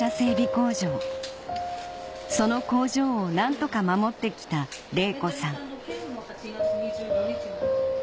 工場その工場を何とか守ってきた玲子さん